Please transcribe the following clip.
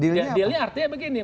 dealnya artinya begini